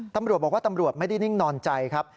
ตำรวจบอกว่าตำรวจไม่ได้นิ่งนอนใจครับ